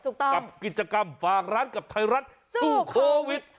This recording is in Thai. กับกิจกรรมฝากร้านกับไทยรัฐสู้โควิด